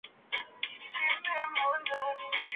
kati ya wachezaji au katika jamii